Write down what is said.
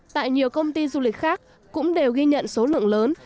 tại nhiều công ty du lịch khác cũng đều ghi nhận số lượng lớn